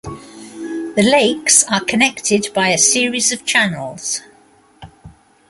The lakes are connected by a series of "channels".